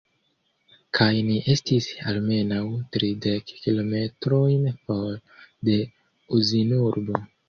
Kaj ni estis almenaŭ tridek kilometrojn for de Uzinurbo.